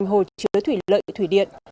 hồi chứa thủy lợi thủy điện